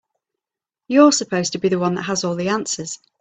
You're supposed to be the one that has all the answers.